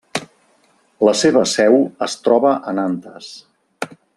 La seva seu es troba a Nantes.